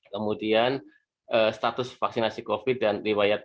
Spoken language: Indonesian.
kemudian status vaksinasi covid sembilan belas dan riwayat